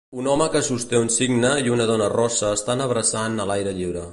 Un home que sosté un signe i una dona rossa estan abraçant a l'aire lliure